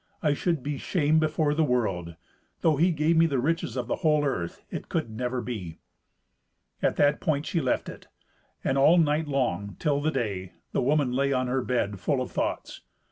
I should be shamed before the world. Though he gave me the riches of the whole earth, it could never be." At that point she left it; and all night long, till the day, the woman lay on her bed full of thoughts.